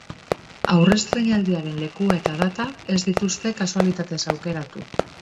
Aurrestreinaldiaren lekua eta data ez dituzte kasualitatez aukeratu.